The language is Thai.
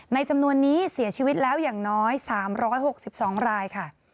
จำนวนนี้เสียชีวิตแล้วอย่างน้อย๓๖๒รายค่ะ